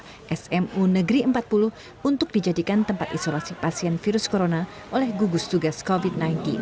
warga juga memasang beragam spanduk di gerbang sekolah smu empat puluh untuk dijadikan tempat isolasi pasien virus corona oleh gugus tugas covid sembilan belas